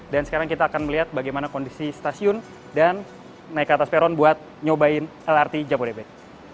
dan sekarang kita akan melihat bagaimana kondisi stasiun dan naik ke atas peron buat nyobain lrt jabodebek